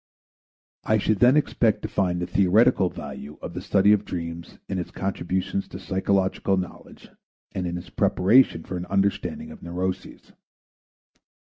I should then expect to find the theoretical value of the study of dreams in its contribution to psychological knowledge and in its preparation for an understanding of neuroses.